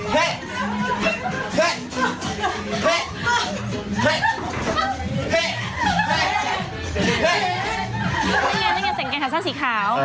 ให้เช็ดหน่อย